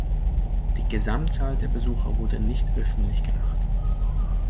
Die Gesamtzahl der Besucher wurde nicht öffentlich gemacht.